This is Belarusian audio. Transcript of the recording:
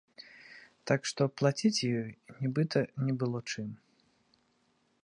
Так што плаціць ёй нібыта не было чым.